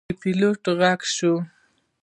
د پیلوټ غږ شو.